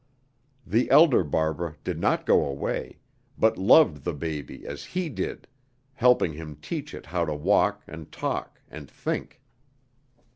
The elder Barbara did not go away, but loved the baby as he did, helping him teach it how to walk, and talk, and think.